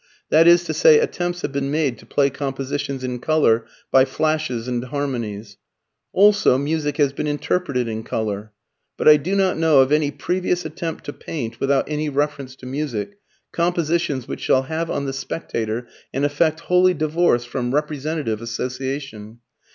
That is to say attempts have been made to play compositions in colour, by flashes and harmonies. [Footnote: Cf. "Colour Music," by A. Wallace Rimington. Hutchinson. 6s. net.] Also music has been interpreted in colour. But I do not know of any previous attempt to paint, without any reference to music, compositions which shall have on the spectator an effect wholly divorced from representative association.